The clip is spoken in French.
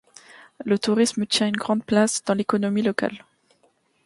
Le tourisme tient une grande place dans l'économie locale.